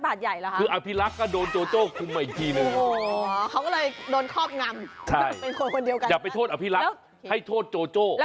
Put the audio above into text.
อ๋อนี่เขาใช้อำนาจบาดใหญ่เหรอคะ